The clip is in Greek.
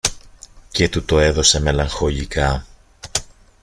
και του το έδωσε μελαγχολικά.